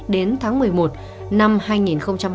đến tháng một mươi một tháng một mươi hai